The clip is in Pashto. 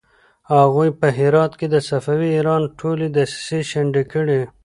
هغوی په هرات کې د صفوي ایران ټولې دسيسې شنډې کړې.